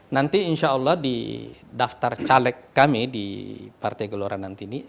nanti insya allah di daftar caleg kami di partai gelora nanti ini